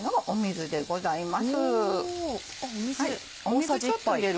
水ちょっと入れる。